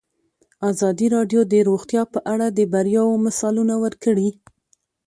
ازادي راډیو د روغتیا په اړه د بریاوو مثالونه ورکړي.